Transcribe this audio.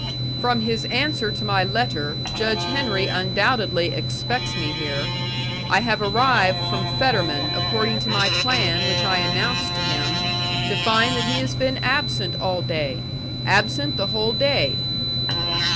"From his answer to my letter, Judge Henry undoubtedly expects me here. I have arrived from Fetterman according to my plan which I announced to him, to find that he has been absent all day absent the whole day."